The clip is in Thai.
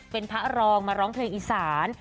เป็นพระรองมาร้องเพลงอีสาน